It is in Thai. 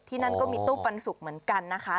นั่นก็มีตู้ปันสุกเหมือนกันนะคะ